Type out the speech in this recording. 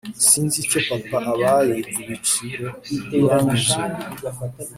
sinzi icyo papa abaye ibicuro biranyuzuye."